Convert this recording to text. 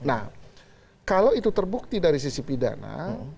nah kalau itu terbukti dari sisi pidana